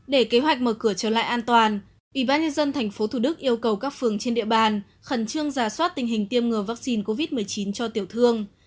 để kế hoạch mở cửa trở lại an toàn ủy ban nhân dân tp thủ đức yêu cầu các phường trên địa bàn khẩn trương giả soát tình hình tiêm ngừa vaccine covid một mươi chín cho tiểu thương